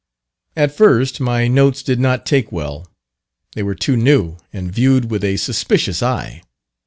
At first my notes did not take well; they were too new, and viewed with a suspicious eye.